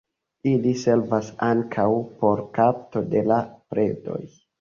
Ili servas ankaŭ por kapto de la predoj.